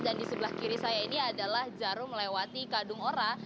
dan di sebelah kiri saya ini adalah jarum melewati kadung ora